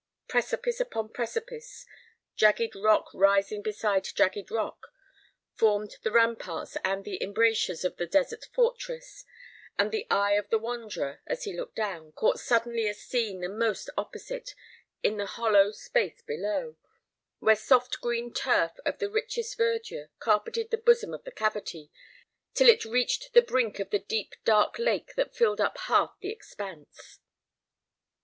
Precipice upon precipice, jagged rock rising beside jagged rock, formed the ramparts and the embrasures of the desert fortress; and the eye of the wanderer, as he looked down, caught suddenly a scene the most opposite, in the hollow space below, where soft green turf, of the richest verdure, carpeted the bosom of the cavity, till it reached the brink of the deep dark lake that filled up half the expanse.